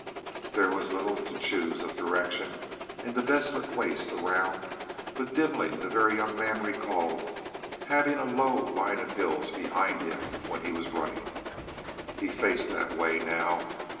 There was little to choose of direction in the desolate waste around, but dimly the Very Young Man recalled having a low line of hills behind him when he was running. He faced that way now.